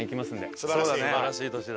素晴らしい年だ。